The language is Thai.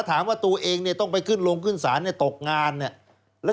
ดังนั้นไม่มีเงินประกันตัว